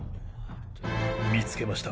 見つけました